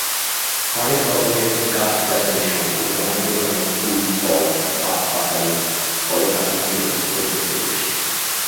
হরেক রকমের গাছগাছালির সঙ্গে রংবেরঙের ফুল, ফল, পাখপাখালির কলকাকলিতে মুখরিত পরিবেশ।